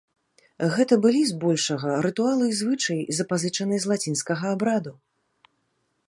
Гэта былі, збольшага, рытуалы і звычаі, запазычаныя з лацінскага абраду.